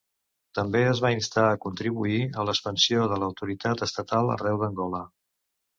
També es va instar a contribuir a l'expansió de l'autoritat estatal arreu d'Angola.